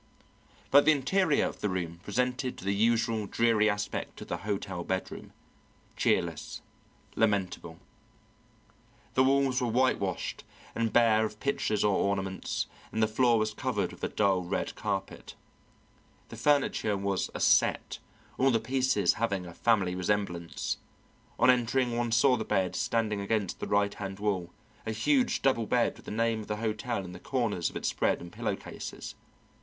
But the interior of the room presented the usual dreary aspect of the hotel bedroom cheerless, lamentable. The walls were whitewashed and bare of pictures or ornaments, and the floor was covered with a dull red carpet. The furniture was a "set," all the pieces having a family resemblance. On entering, one saw the bed standing against the right hand wall, a huge double bed with the name of the hotel in the corners of its spread and pillowcases.